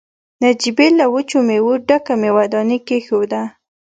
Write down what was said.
نجيبې له وچو مېوو ډکه مېوه داني کېښوده.